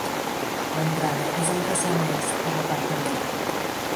L'entrada és a la façana est per la part antiga.